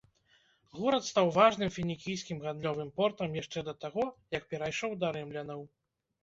Горад стаў важным фінікійскім гандлёвым портам яшчэ да таго як перайшоў да рымлянаў.